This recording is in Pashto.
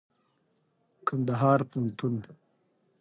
کنــدهـــار پوهنـتــون